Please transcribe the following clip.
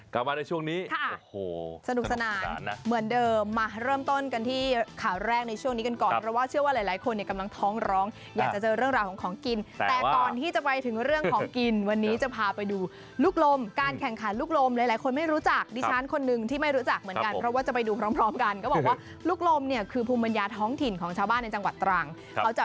กลับมาในช่วงนี้สนุกสนานเหมือนเดิมมาเริ่มต้นกันที่ข่าวแรกในช่วงนี้กันก่อนเราว่าเชื่อว่าหลายคนกำลังท้องร้องอยากจะเจอเรื่องราวของของกินแต่ก่อนที่จะไปถึงเรื่องของกินวันนี้จะพาไปดูลูกลมการแข่งขันลูกลมหลายคนไม่รู้จักดิฉันคนหนึ่งที่ไม่รู้จักเหมือนกันเพราะว่าจะไปดูพร้อมกันก็บอกว่าลู